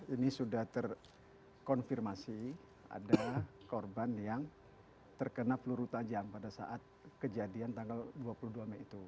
ini sudah terkonfirmasi ada korban yang terkena peluru tajam pada saat kejadian tanggal dua puluh dua mei itu